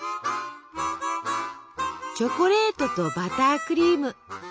チョコレートとバタークリーム。